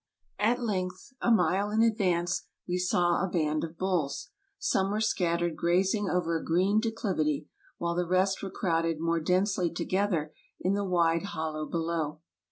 At length, a mile in advance, we saw a band of bulls. Some were scattered grazing over a green declivity, while the rest were crowded more densely together in the wide hollow below.